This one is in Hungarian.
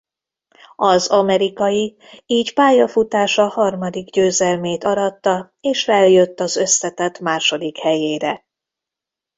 Az amerikai így pályafutása harmadik győzelmét aratta és feljött az összetett második helyére.